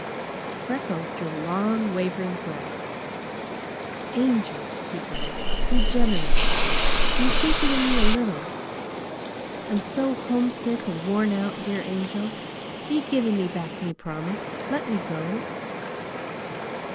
Freckles drew a long, wavering breath. "Angel," he begged, "be generous! Be thinking of me a little. I'm so homesick and worn out, dear Angel, be giving me back me promise. Let me go?"